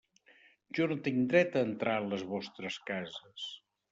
Jo no tinc dret a entrar en les vostres cases.